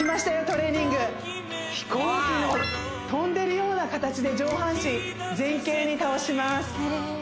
トレーニング飛行機の飛んでるような形で上半身前傾に倒します